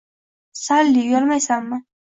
— Salli, uyalmaysanmi!